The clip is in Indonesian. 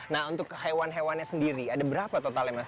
nah untuk hewan hewannya sendiri ada berapa totalnya mas